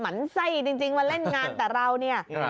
มันไส้จริงมาเล่นงานแต่เราเนี่ย